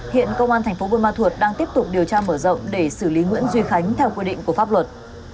hiện công an tp bôn ma thuột đang tiếp tục điều tra mở rộng để xử lý nguyễn duy khánh theo quy định của pháp luật